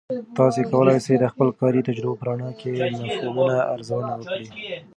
تاسې کولای سئ د خپل کاري تجربو په رڼا کې مفهومونه ارزونه وکړئ.